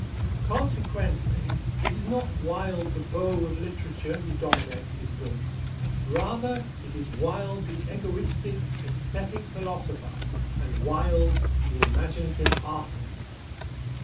Consequently, it is not Wilde the beau of literature who dominates his book. Rather, it is Wilde the egoistic, æsthetic philosopher, and Wilde the imaginative artist.